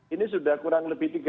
ini sudah kurang lebih tiga minggu